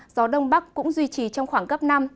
gió đông bắc cũng duy trì trong khoảng cấp năm